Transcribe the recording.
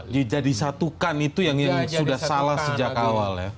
jadi disatukan itu yang sudah salah sejak awal ya